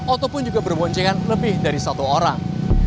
ataupun juga berboncengan lebih dari satu orang